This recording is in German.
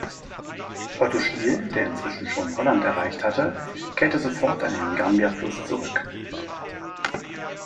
Otto Stiel, der inzwischen schon Holland erreicht hatte, kehrte sofort an den Gambia-Fluss zurück.